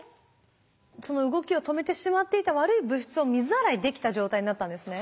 その動きを止めてしまっていた悪い物質を水洗いできた状態になったんですね。